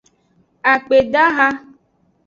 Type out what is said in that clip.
Akpedaha.